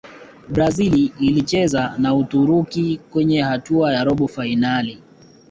brazil ilicheza na Uturuki kwenye hatua ya robo fainali